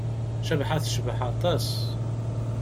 Cabḥa tecbeḥ aṭas.